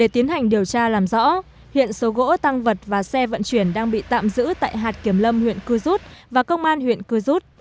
tiến hành điều tra làm rõ hiện số gỗ tăng vật và xe vận chuyển đang bị tạm giữ tại hạt kiểm lâm huyện cư rút và công an huyện cư rút